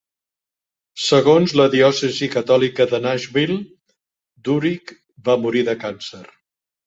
Segons la diòcesi catòlica de Nashville, Durick va morir de càncer.